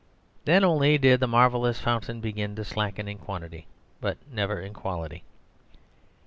Then only did the marvellous fountain begin to slacken in quantity, but never in quality.